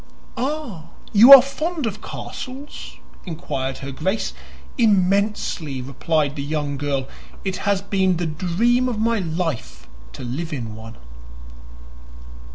"Ah, you are fond of castles?" inquired her Grace. "Immensely!" replied the young girl. "It has been the dream of my life to live in one."